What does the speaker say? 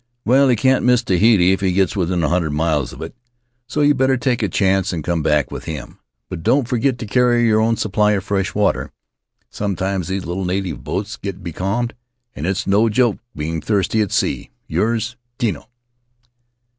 Well, he can't miss Tahiti if he gets within a hundred miles of it, so you better take a chance and come back with him. But don't forget to carry your own supply of fresh water. Sometimes these little native boats get becalmed, and it's no joke being thirsty at sea Yours, Tino.